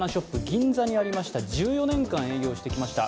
銀座にありました１４年間、営業してきました